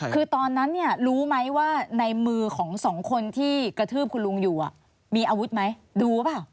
คือตอนนั้นเนี่ยรู้ไหมว่าในมือของสองคนที่กระทืบคุณลุงอยู่มีอาวุธไหมดูหรือเปล่า